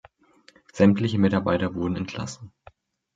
Sämtliche Mitarbeiter wurden entlassen.